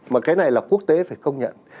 mà cái này là quốc tế phải công nhận